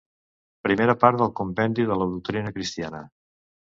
Primera part del compendi de la Doctrina Cristiana.